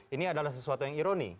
ini adalah sesuatu yang ironi